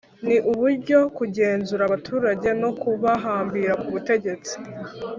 Ni uburyo kugenzura abaturage no kubahambira ku butegetsi